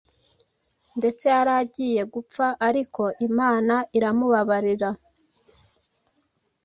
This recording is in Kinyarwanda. ndetse yari agiye gupfa, ariko Imana iramubabarira.”